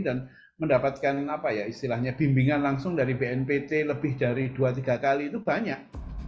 dan mendapatkan apa ya istilahnya bimbingan langsung dari pnpt lebih dari dua tiga kali itu banyak